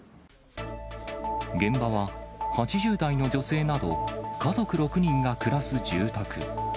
現場は、８０代の女性など、家族６人が暮らす住宅。